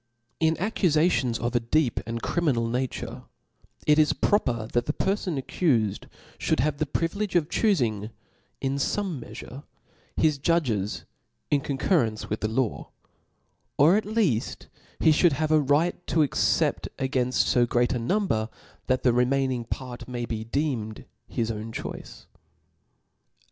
In accufations of a deep and criminal nature, it is proper the perfon accufed fhould have the privilege of chufing in fome meafure his judges in concur rence with the law ; or at leaft he fhould have a right to excipt againft fo great a number, that the remaining part may be deemed his own choice^ • As at AthcM* 8 Thtf 1 OF LAWS.